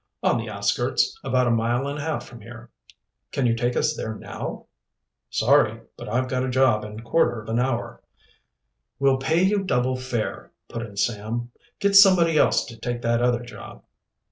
"On the outskirts, about a mile and a half from here." "Can you take us there now?" "Sorry, but I've got a job in quarter of an hour." "We'll pay you double fare," put in Sam. "Get somebody else to take that other job."